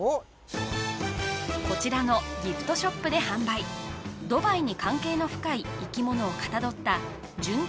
こちらのギフトショップで販売ドバイに関係の深い生き物を象った純金